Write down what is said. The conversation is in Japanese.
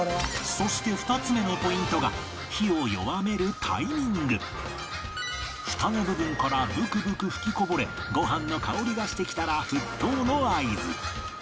そして２つ目のポイントがフタの部分からブクブク吹きこぼれご飯の香りがしてきたら沸騰の合図